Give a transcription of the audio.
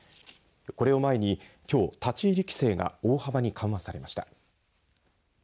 これを前にきょう、立ち入り規制が大幅に緩和されました。